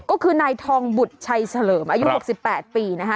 ก็คือนายทองบุตรชัยเฉลิมอายุ๖๘ปีนะคะ